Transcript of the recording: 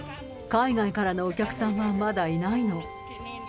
海外からのお客さんはまだいないの。